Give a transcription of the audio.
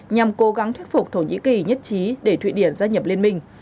nhằm cố gắng thuyết phục thổ nhĩ kỳ nhất trí để thụy điển gia nhập liên minh